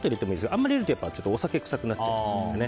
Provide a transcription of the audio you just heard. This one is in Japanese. あんまり入れるとお酒臭くなっちゃいます。